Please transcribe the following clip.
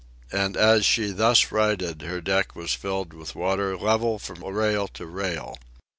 And as she thus righted her deck was filled with water level from rail to rail.